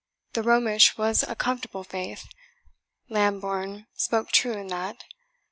The Romish was a comfortable faith; Lambourne spoke true in that.